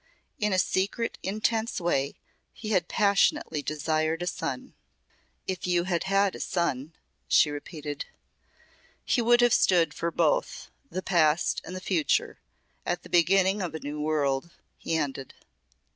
In a secretive, intense way he had passionately desired a son. "If you had had a son " she repeated. "He would have stood for both the past and the future at the beginning of a New World," he ended.